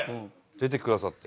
出てくださって。